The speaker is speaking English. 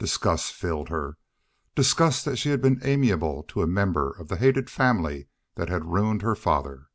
Disgust filled her disgust that she had been amiable to a member of the hated family that had ruined her father.